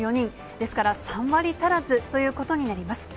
ですから、３割足らずということになります。